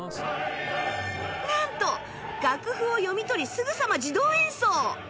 なんと楽譜を読み取りすぐさま自動演奏！